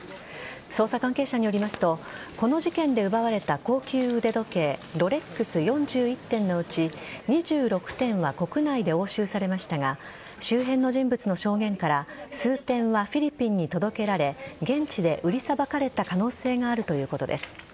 捜査関係者によりますとこの事件で奪われた高級腕時計ロレックス４１点のうち２６点は国内で押収されましたが周辺の人物の証言から数本はフィリピンに届けられ現地で売りさばかれた可能性があるということです。